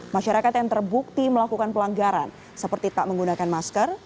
masyarakat yang terbukti melakukan pelanggaran seperti tak menggunakan masker